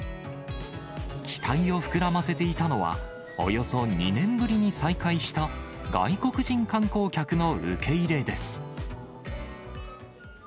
期待を膨らませていたのは、およそ２年ぶりに再開した外国人観光客の受け入れです。